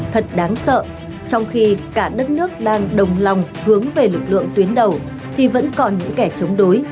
thật đáng sợ trong khi cả đất nước đang đồng lòng hướng về lực lượng tuyến đầu thì vẫn còn những kẻ chống đối